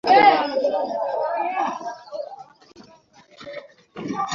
Nexus ডিভাইসের জন্য Google তিনটি প্যাঁচ ছাড়লেও এখনো ত্রুটি থেকে গেছে।